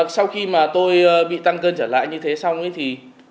sau khi mà tôi bị tăng cân trở lại như thế xong ấy thì